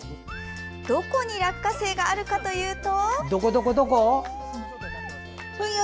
どこに落花生があるかというと。